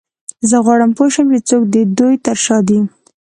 زه غواړم پوه شم چې څوک د دوی تر شا دی